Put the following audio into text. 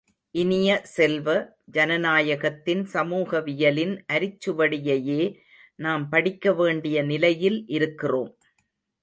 இனிய செல்வ, ஜனநாயகத்தின் சமூகவியலின் அரிச்சுவடியையே நாம் படிக்க வேண்டிய நிலையில் இருக்கிறோம்.